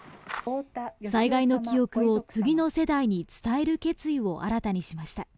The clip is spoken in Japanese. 災害の記憶を次の世代に伝える決意を新たにしました。